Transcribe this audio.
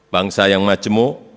bangsa yang majemuk